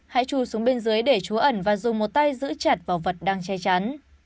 hãy chù xuống bên dưới để chú ẩn và dùng một tay giữ chặt vào vật đang che chắn